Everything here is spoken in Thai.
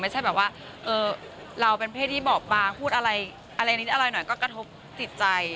ไม่ใช่แบบว่าเราเป็นเพศที่บอบบางพูดอะไรอะไรนิดอะไรหน่อยก็กระทบติดใจ